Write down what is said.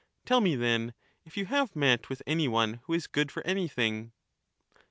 Tell me then, if asks what you have met with any one who is good for anything.